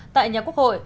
tại nhà quốc hội